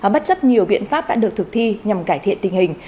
bất chấp nhiều biện pháp đã được thực thi nhằm cải thiện tình hình